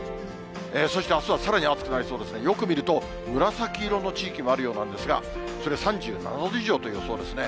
そしてあすはさらに暑くなりそうですが、よく見ると、紫色の地域もあるようなんですが、それ３７度以上という暑さですね。